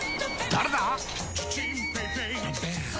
誰だ！